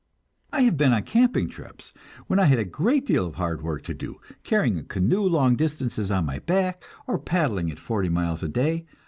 I have been on camping trips when I had a great deal of hard work to do, carrying a canoe long distances on my back, or paddling it forty miles a day.